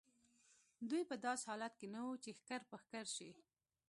دوی په داسې حالت کې نه وو چې ښکر په ښکر شي.